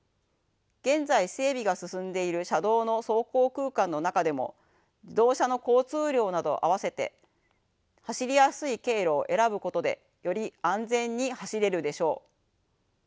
現在整備が進んでいる車道の走行空間の中でも自動車の交通量などを併せて走りやすい経路を選ぶことでより安全に走れるでしょう。